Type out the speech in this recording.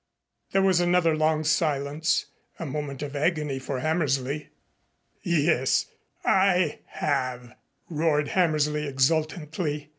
There was another long silence a moment of agony for Hammersley. "Yes, I have," roared Hammersley exultantly.